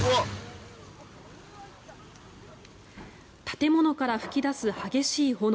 建物から噴き出す激しい炎。